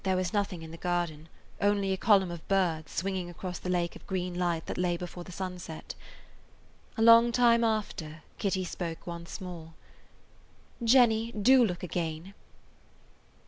There was nothing in the garden; only a column of birds swinging across the lake of green light that lay before the sunset. A long time after Kitty spoke once more: "Jenny, do look again."